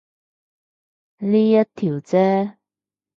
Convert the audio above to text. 呢一條啫